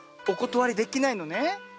おことわりできないのね？